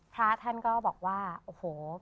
พระท่านก็บอกว่าโอ้โห